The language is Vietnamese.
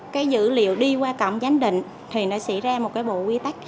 cái dữ liệu đi qua cổng giám định thì nó xảy ra một cái bộ quy tắc